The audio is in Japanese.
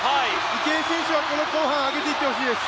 池江選手は、この後半上げていってほしいです。